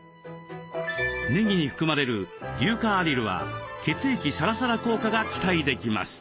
ねぎに含まれる硫化アリルは血液サラサラ効果が期待できます。